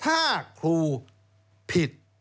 ถ้าครูผิด